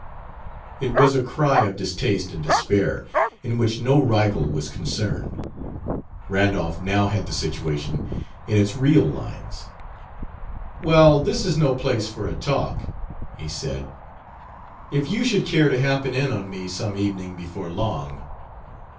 It was a cry of distaste and despair, in which no rival was concerned. Randolph now had the situation in its real lines. "Well, this is no place for a talk," he said. "If you should care to happen in on me some evening before long...."